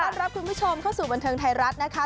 ทรัพย์คลุมประชวมให้เข้าสู่บันเทิงไทยรัฐนะคะ